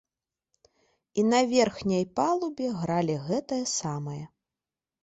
І на верхняй палубе гралі гэтае самае.